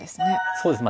そうですね。